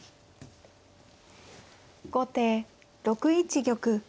後手６一玉。